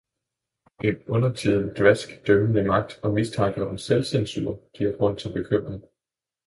En undertiden dvask dømmende magt og mistanker om selvcensur giver grund til bekymring.